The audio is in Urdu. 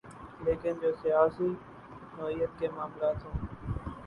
لیکن جو سیاسی نوعیت کے معاملات ہوں۔